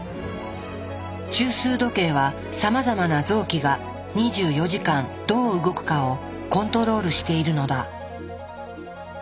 中枢時計はさまざまな臓器が２４時間どう動くかをコントロールしているのだ。